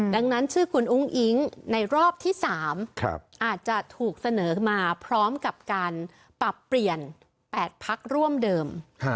ดังนั้นชื่อคุณอุ้งอิ๊งในรอบที่๓อาจจะถูกเสนอมาพร้อมกับการปรับเปลี่ยน๘พักร่วมเดิม